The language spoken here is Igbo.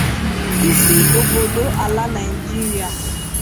isi obodo ala Nigeria.